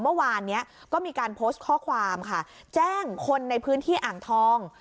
เมื่อวานนี้ก็มีการโพสต์ข้อความค่ะแจ้งคนในพื้นที่อ่างทอง